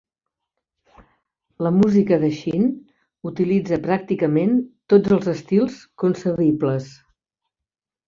La música de Shin utilitza pràcticament tots els estils concebibles.